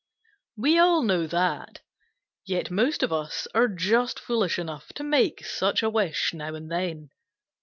We all know that, yet most of us are just foolish enough to make such a wish now and then.